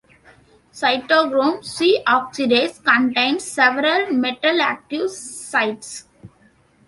Cytochrome c oxidase contains several metal active sites.